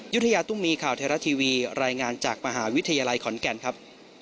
ยุธยาตุ้มีข่าวไทยรัฐทีวีรายงานจากมหาวิทยาลัยขอนแก่นครับ